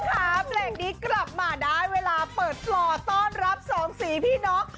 เพลงนี้กลับมาได้เวลาเปิดปล่อต้อนรับสองสีพี่น้อง